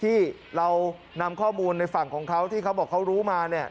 ที่เรานำข้อมูลในฝั่งของเขาที่เขาบอกเขารู้มาเนี่ย